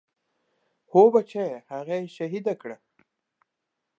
هو بچيه هغه يې شهيده کړه.